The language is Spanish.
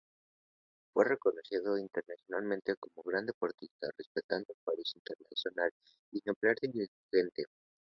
Fue reconocido internacionalmente como gran deportista, respetado juez internacional y ejemplar dirigente.